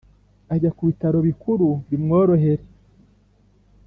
ajya ku bitaro bikuru bimworohere